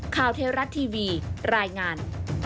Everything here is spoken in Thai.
เทวรัฐทีวีรายงาน